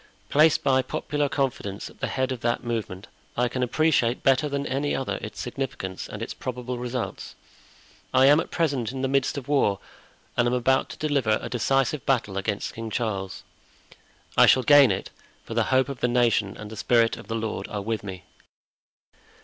Placed by popular confidence at the head of that movement, I can appreciate better than any other its significance and its probable results. I am at present in the midst of war, and am about to deliver a decisive battle against King Charles. I shall gain it, for the hope of the nation and the Spirit of the Lord are with me.